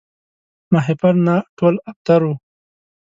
ماهیپر نه ټول ابتر وو